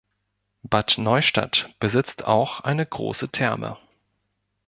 Bad Neustadt besitzt auch eine große Therme.